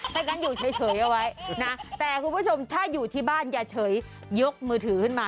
อย่างนั้นอยู่เฉยเอาไว้นะแต่คุณผู้ชมถ้าอยู่ที่บ้านอย่าเฉยยกมือถือขึ้นมา